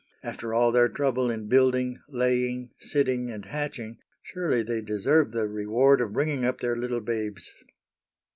After all their trouble in building, laying, sitting, and hatching, surely they deserve the reward of bringing up their little babes.